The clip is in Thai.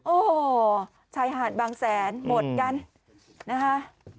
โอ้โหชายหาดบางแสนหมดกันนะคะ